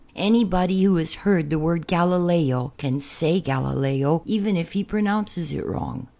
Anybody wiio has heard tlie word "(ialileo" can say "Galileo." even if he ])ron()unces it wrong.